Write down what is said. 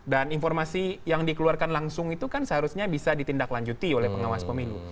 dan informasi yang dikeluarkan langsung itu kan seharusnya bisa ditindaklanjuti oleh pengawas pemilu